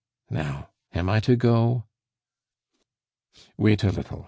Now, am I to go?" "Wait a little.